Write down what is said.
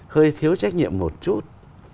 hơi thiếu trách nhiệm một chút